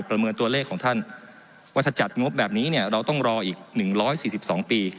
ประเมินตัวเลขว่าจัดงบแบบนี้เราต้องรออีก๑๔๒ปี